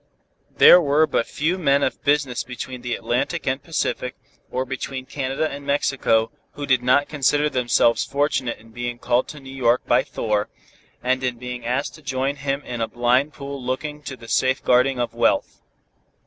There were but few men of business between the Atlantic and Pacific, or between Canada and Mexico, who did not consider themselves fortunate in being called to New York by Thor, and in being asked to join him in a blind pool looking to the safe guarding of wealth.